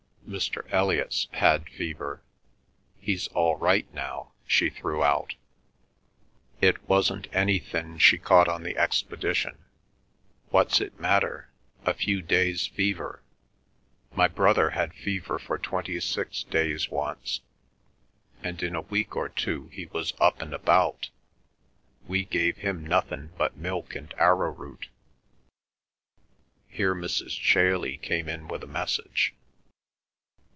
Mr. Elliot's had fever; he's all right now," she threw out. "It wasn't anythin' she caught on the expedition. What's it matter—a few days' fever? My brother had fever for twenty six days once. And in a week or two he was up and about. We gave him nothin' but milk and arrowroot—" Here Mrs. Chailey came in with a message.